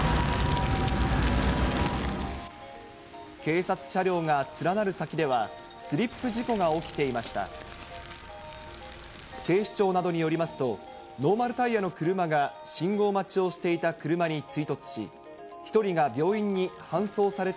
警察車両が連なる先では、スリップ事故が起きていました。